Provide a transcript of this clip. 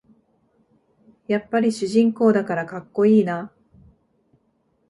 やっぱり主人公だからかっこいいな